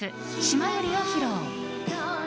「島より」を披露。